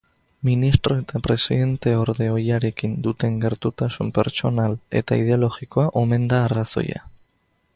Ministro eta presidenteorde ohiarekin duten gertutasun pertsonal eta ideologikoa omen da arrazoia.